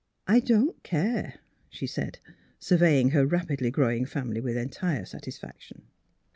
" I don't care," she said, surveying her rapidly growing family with entire satisfaction.